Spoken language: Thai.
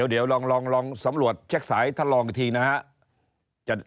เดี๋ยวลองสำรวจเช็คสายท่านลองอีกทีนะครับ